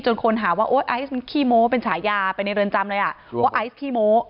คนหาว่าโอ๊ยไอซ์ขี้โม้เป็นฉายาไปในเรือนจำเลยอ่ะว่าไอซ์ขี้โม้